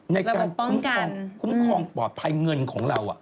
ในการคุ้มครองปลอดภัยเงินของเรา